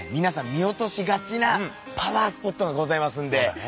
見落としがちなパワースポットがございますんで。